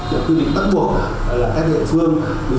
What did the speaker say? đã quyết định bắt buộc các địa phương